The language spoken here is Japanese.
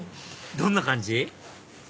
どんな感じ？